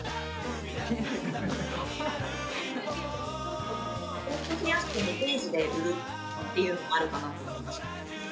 組み合わせて２ページで売るっていうのもあるかなと思いました。